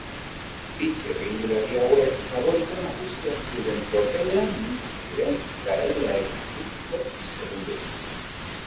Bi txirrindulari hauek faborito nagusiak zeuden tropelean iritsi ziren garailearengandik zortzi segundora.